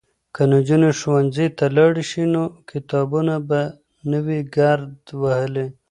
که نجونې ښوونځي ته لاړې شي نو کتابونه به نه وي ګرد وهلي.